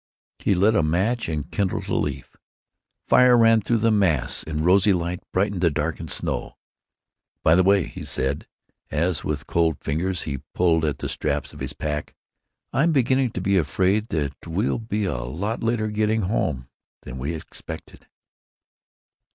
He lit a match and kindled a leaf. Fire ran through the mass and rosy light brightened the darkened snow. "By the way," he said, as with cold fingers he pulled at the straps of his pack, "I'm beginning to be afraid that we'll be a lot later getting home than we expected."